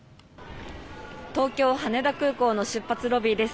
東京・羽田空港の出発ロビーです。